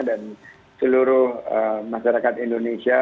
dan seluruh masyarakat indonesia